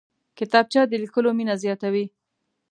کتابچه د لیکلو مینه زیاتوي